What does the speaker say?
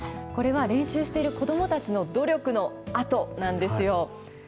これは練習している子どもたちの努力の跡なんですよ。